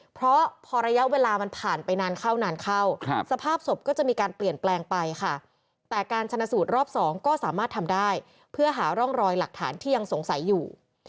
เพราะพอระยะเวลามันผ่านไปนานเข้านานเข้าสภาพศพก็จะมีการเปลี่ยนแปลงไปค่ะแต่การชนะสูตรรอบสองก็สามารถทำได้เพื่อหาร่องรอยหลักฐานที่ยังสงสัยอยู่